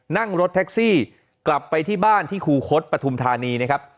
นั่งรถแท็กซี่กลับไปที่บ้านที่คูคศปฐุมธานีนะครับ